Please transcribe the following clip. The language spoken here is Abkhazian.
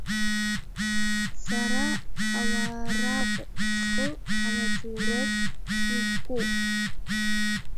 Сара ауаа ракәым, схы амаҵуроуп сзызку.